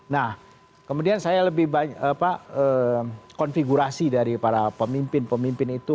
nah kemudian saya lebih banyak konfigurasi dari para pemimpin pemimpin itu